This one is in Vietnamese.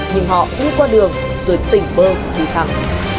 nhưng họ đi qua đường rồi tỉnh bơ đi thẳng